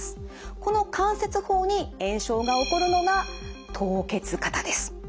この関節包に炎症が起こるのが凍結肩です。